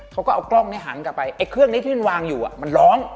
เขาก็เอากล้องนี้หันกลับไปไอ้เครื่องนี้ที่มันวางอยู่มันร้อง